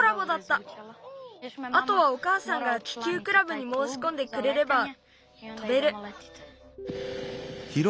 あとはおかあさんが気球クラブにもうしこんでくれれば飛べる。